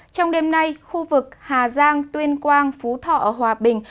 trong đêm nay khu vực hà giang tuyên quang phú thọ ở hòa bình